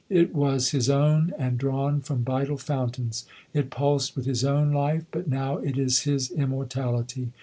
It was his own, and drawn from vital fountains. It pulsed with his own life, But now it is his immortality.